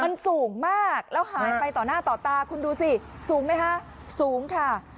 มันสูงมากแล้วหายไปต่อหน้าต่อตาคุณดูสิสูงไหมคะสูงค่ะ